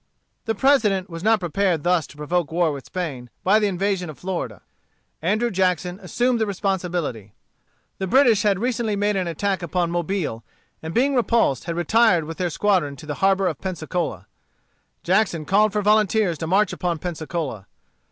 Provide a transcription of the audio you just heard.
The President was not prepared thus to provoke war with Spain, by the invasion of Florida. Andrew Jackson assumed the responsibility. The British had recently made an attack upon Mobile, and being repulsed, had retired with their squadron to the harbor of Pensacola. Jackson called for volunteers to march upon Pensacola.